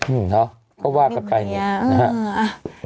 อืมเนอะเขาก็ว่ากับใครอย่างงี้เออ